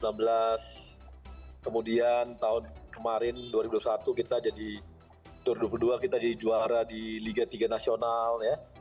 tahun dua ribu sembilan belas kemudian tahun kemarin dua ribu dua puluh satu kita jadi juara di liga tiga nasional